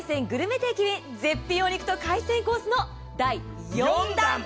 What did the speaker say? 定期便、絶品お肉と海鮮コースの第４弾。